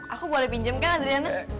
aku boleh pinjem kan adriana